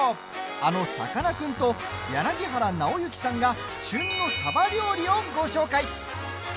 あの、さかなクンと柳原尚之さんが旬のさば料理をご紹介。